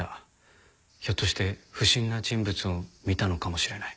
ひょっとして不審な人物を見たのかもしれない。